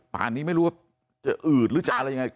ป่านนี้ไม่รู้ว่าจะอืดหรือจะอะไรยังไง